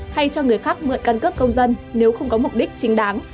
hay cho người khác mượn căn cước công dân nếu không có mục đích chính đáng